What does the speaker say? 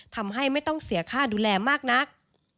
ทำให้ไม่ต้องเสียค่าดูแลมากนัก